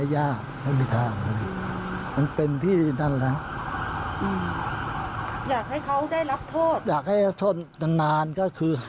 อยากให้รับโทษนานก็คือ